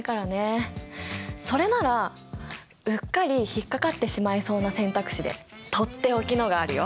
それならうっかり引っ掛かってしまいそうな選択肢でとっておきのがあるよ。